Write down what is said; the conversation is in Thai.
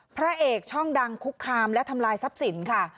พระเอกช่องดังคุกคามและทำลายทรัพย์สินค่ะ